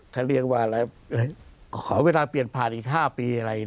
เขาเรียกว่าอะไรหรือขอเวลาเปลี่ยนผ่านอีกห้าปีอะไรอย่าง